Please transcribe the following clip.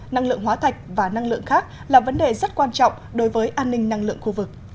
năng lượng hóa thạch và năng lượng khác là vấn đề rất quan trọng đối với an ninh năng lượng khu vực